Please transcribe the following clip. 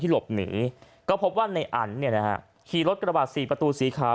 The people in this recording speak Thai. ที่หลบหนีก็พบว่าในอันขี่รถกระบาด๔ประตูสีขาว